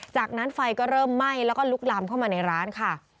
จากนั้นไฟก็เริ่มไหม้แล้วก็ลุกลามเข้ามาในร้านค่ะ